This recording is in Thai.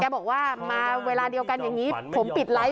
บอกว่ามาเวลาเดียวกันอย่างนี้ผมปิดไลค์